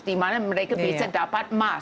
di mana mereka bisa dapat mas